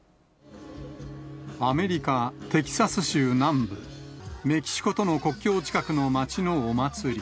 アメリカ・テキサス州南部、メキシコとの国境近くの町のお祭り。